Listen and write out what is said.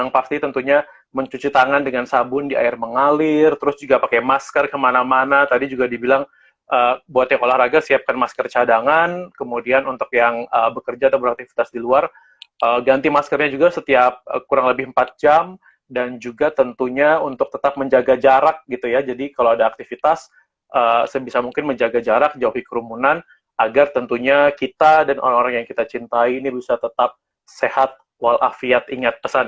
yang pasti tentunya mencuci tangan dengan sabun di air mengalir terus juga pakai masker kemana mana tadi juga dibilang buat yang olahraga siapkan masker cadangan kemudian untuk yang bekerja atau beraktivitas di luar ganti maskernya juga setiap kurang lebih empat jam dan juga tentunya untuk tetap menjaga jarak gitu ya jadi kalau ada aktivitas sebisa mungkin menjaga jarak jauhi kerumunan agar tentunya kita dan orang orang yang kita cintai ini bisa tetap sehat walafiat ingat pesan ibu